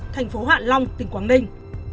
thành phố hoạn long tỉnh quảng ninh